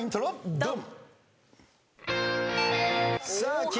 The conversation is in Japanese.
ドン！